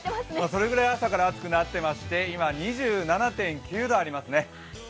それくらい朝から暑くなってまして今、２７．９度ありますね。